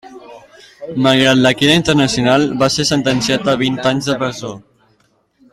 Malgrat la crida internacional, va ser sentenciat a vint anys de presó.